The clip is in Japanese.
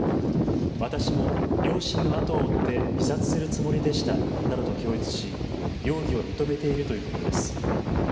私も両親の後を追って自殺するつもりでしたなどと供述し容疑を認めているということです。